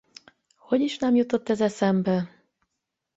Hogy is nem jutott ez eszembe!